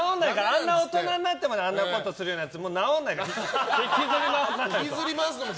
あんな大人になってまであんなことするようなやつは直らないから引きずり回さないと。